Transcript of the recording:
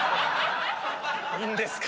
いいんですか？